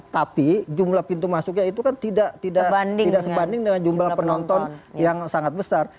tapi jumlah pintu masuknya itu kan tidak sebanding dengan jumlah penonton yang sangat besar